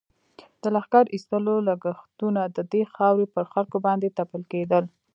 د لښکر ایستلو لږښتونه د دې خاورې پر خلکو باندې تپل کېدل.